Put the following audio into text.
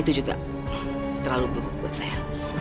itu juga terlalu buat saya